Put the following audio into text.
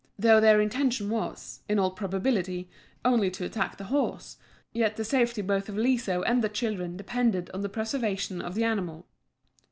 Though their intention was, in all probability, only to attack the horse, yet the safety both of Liso and the children depended on the preservation of the animal.